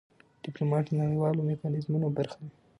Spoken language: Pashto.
ډيپلومات د نړېوالو میکانیزمونو برخه وي.